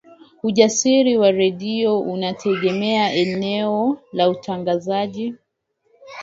usajiri wa redio unategemea eneo la utangazaji